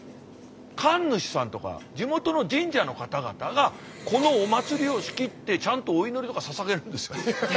神主さんとか地元の神社の方々がこのお祭りを仕切ってちゃんとお祈りとかささげるんですよ。